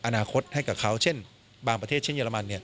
อนาคตให้กับเขาเช่นบางประเทศเช่นเรมันเนี่ย